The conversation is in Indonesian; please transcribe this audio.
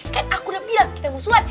kan aku udah bilang kita musuhan